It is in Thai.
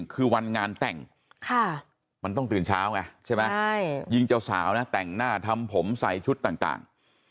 คือวันงานแต่งมันต้องตื่นเช้าไงใช่ไหมยิงเจ้าสาวนะแต่งหน้าทำผมใส่ชุดต่าง